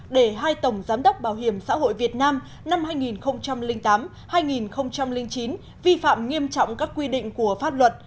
để hai tổng giám đốc bảo hiểm xã hội việt nam năm hai nghìn tám hai nghìn chín vi phạm nghiêm trọng các quy định của pháp luật